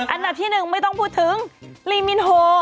อันดับที่๑ไม่ต้องพูดถึงลีมินโฮ